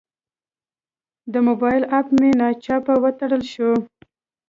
د موبایل اپ مې ناڅاپه وتړل شو.